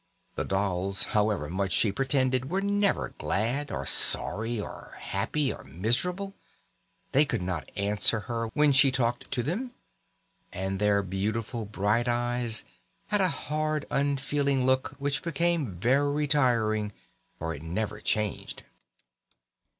The dolls, however much she pretended, were never glad, or sorry, or happy, or miserable they could not answer her when she talked to them, and their beautiful bright eyes had a hard unfeeling look which became very tiring, for it never changed.